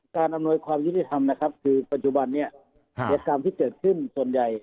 การอำนวยความยุติธรรมคือปัจจุบันนี้กระดกกรรมที่เจอขึ้นส่วนใหญ่